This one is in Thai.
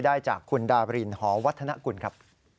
ได้จากคุณดาบรินหอวัฒนกุลครับ